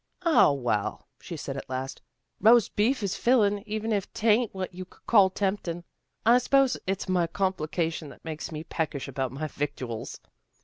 " 0, well," she said at last, " roast beef is nllin', even if 'tain't what you could call temptin'. I s'pose it's my complication that makes me peckish about my victuals."